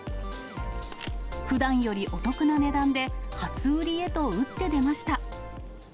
ふだんよりお得な値段で初売りへと打って出ました。